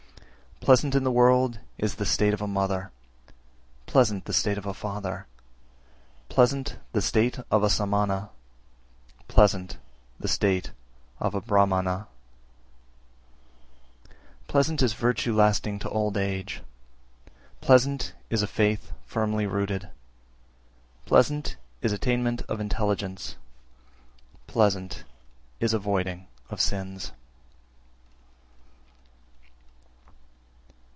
332. Pleasant in the world is the state of a mother, pleasant the state of a father, pleasant the state of a Samana, pleasant the state of a Brahmana. 333. Pleasant is virtue lasting to old age, pleasant is a faith firmly rooted; pleasant is attainment of intelligence, pleasant is avoiding of sins.